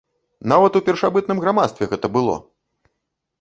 Нават у першабытным грамадстве гэта было!